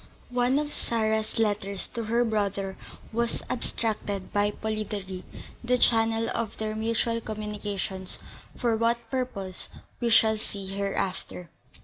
One of Sarah's letters to her brother was abstracted by Polidori, the channel of their mutual communications; for what purpose we shall see hereafter.